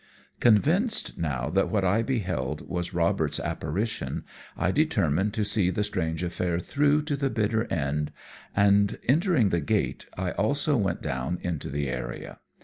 "Convinced now that what I beheld was Robert's apparition, I determined to see the strange affair through to the bitter end, and entering the gate, I also went down into the area.